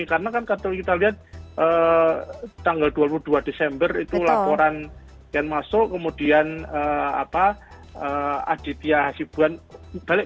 karena kan kita lihat tanggal dua puluh dua desember itu laporan yang masuk kemudian aditya hasibuan balik